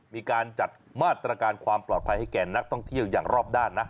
มีการจัดมาตรการความปลอดภัยให้แก่นักท่องเที่ยวอย่างรอบด้านนะ